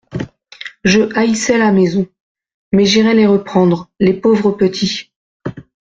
Je haïssais la maison … Mais j'irai les reprendre, les pauvres petits.